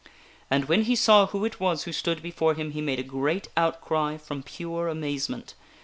And when he saw who it was who stood before him, he made a great outcry from pure amazement.